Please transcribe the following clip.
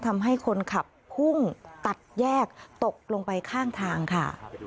ทำให้คนขับพุ่งตัดแยกตกลงไปข้างทางค่ะ